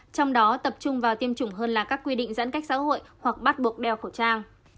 trong đó tập trung vào tiêm chủng hơn là các quy định giãn cách xã hội hoặc bắt buộc đeo khẩu trang